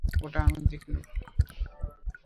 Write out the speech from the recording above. ওটা আমি দেখে নেব।